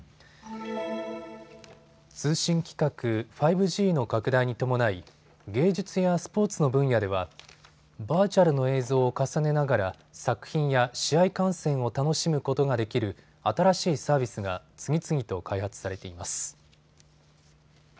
通信規格・５Ｇの拡大に伴い芸術やスポーツの分野ではバーチャルの映像を重ねながら作品や試合観戦を楽しむことができる新しいサービスが次々と開発されています。